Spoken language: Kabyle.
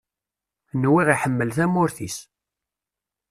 Nwiɣ iḥemmel tamurt-is.